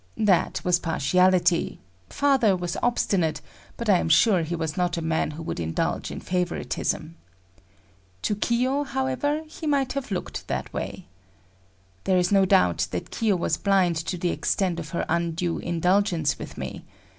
That was partiality; father was obstinate, but I am sure he was not a man who would indulge in favoritism. To Kiyo, however, he might have looked that way. There is no doubt that Kiyo was blind to the extent of her undue indulgence with me.